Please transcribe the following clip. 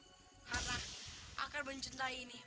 karena akan mencintai ini